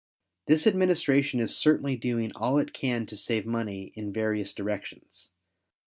This administration is certainly doing all it can to save money in various directions.